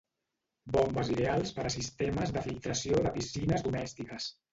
Bombes ideals per a sistemes de filtració de piscines domèstiques.